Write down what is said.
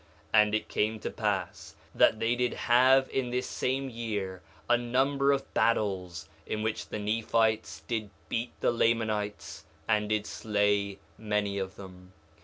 And it came to pass that they did have in this same year a number of battles, in which the Nephites did beat the Lamanites and did slay many of them.